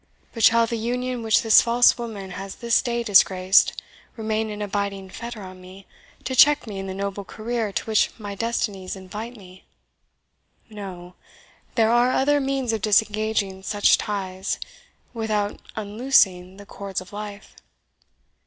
But shall the union which this false woman has this day disgraced remain an abiding fetter on me, to check me in the noble career to which my destinies invite me? No; there are other means of disengaging such ties, without unloosing the cords of life.